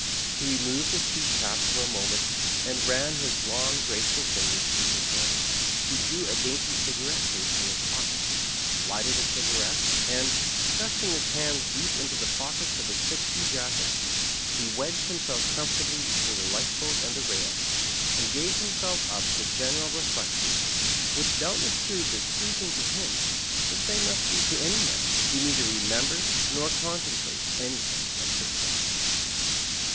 He removed his peaked cap for a moment, and ran his long, grace ful fingers through his hair. He drew a dainty ciga rette case from his pocket, lighted a cigarette, and. Digitized by VjOOQIC 6 ON BOARD TEE ''BAVARIAN thrnsting his hands deep into the pockets of his thick pearjacket, he wedged himself comfortably between the life boat and the rail, and gave himself up to general re flections, which doubtless proved as pleasing to him as they must to any man who neither remembers nor con templates anything but success.